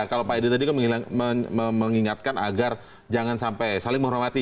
kalau pak edi tadi mengingatkan agar jangan sampai saling menghormati